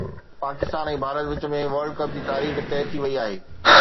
پاڪستان ۽ ڀارت وچ ۾ world cup جي تاريخ طئي ٿي وئي آهي